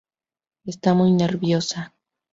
Está muy nerviosa...